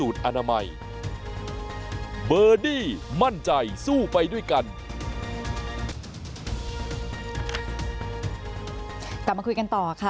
กลับมาคุยกันต่อค่ะ